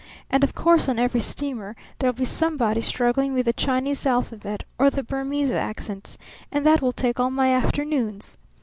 And of course on every steamer there'll be somebody struggling with the Chinese alphabet or the Burmese accents and that will take all my afternoons.